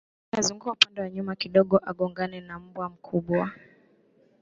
Wakati anazunguka upande wa nyuma kidogo agongane na mbwa mkubwa